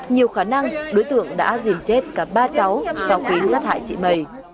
nhiều khả năng đối tượng đã dìm chết cả ba cháu sau khi sát hại chị mầy